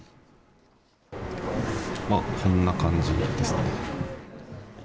こんな感じですね。